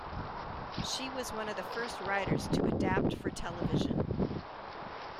She was one of the first writers to adapt for television.